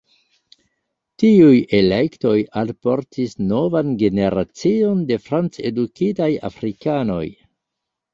Tiuj elektoj alportis novan generacion de franc-edukitaj afrikanoj.